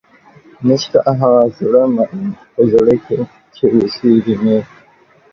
نيشته هغه زړۀ ميئن پۀ زړۀ کښې چې اوسېږي مې